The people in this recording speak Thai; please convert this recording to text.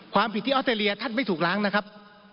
ความผิดที่ออสเตรเลียท่านไม่ถูกล้างนะครับ